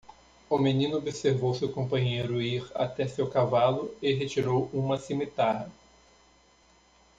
O menino observou seu companheiro ir até seu cavalo e retirou uma cimitarra.